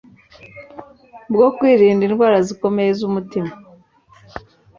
bwo kwirinda indwara zikomeye z’umutima